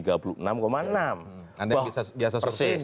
anda yang biasa survei